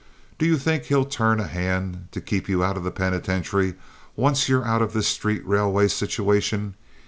Do you think he'll turn a hand to keep you out of the penitentiary once you're out of this street railway situation?